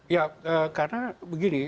ya karena begini